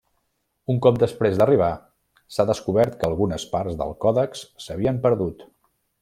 Un cop després d'arribar, s'ha descobert que algunes parts del còdex s'havien perdut.